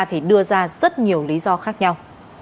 thì đưa ra rất nhiều lý do khác nhau